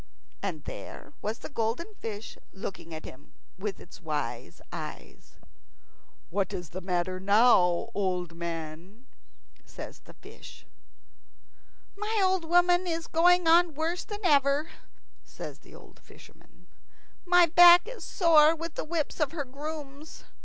And there was the golden fish looking at him with its wise eyes. "What's the matter now, old man?" says the fish. "My old woman is going on worse than ever," says the old fisherman. "My back is sore with the whips of her grooms.